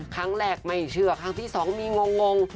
ครั้งแรกไม่เชื่อครั้งที่สองมีงง